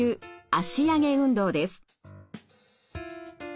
脚上げ運動です。